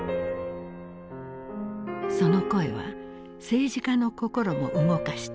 その声は政治家の心も動かした。